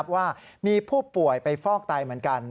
ว่ามีผู้ป่วยไปฟอกไตเหมือนกัน